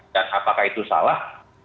dan apakah itu salah